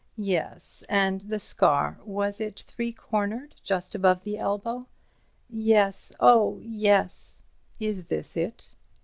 "Yes. And the scar—was it three cornered, just above the elbow?" "Yes, oh, yes." "Is this it?"